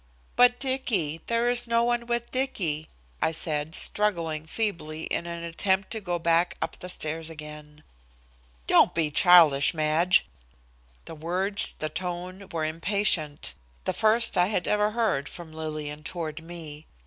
"But Dicky, there is no one with Dicky," I said, struggling feebly in an attempt to go back up the stairs again. "Don't be childish, Madge." The words, the tone, were impatient, the first I had ever heard from Lillian toward me.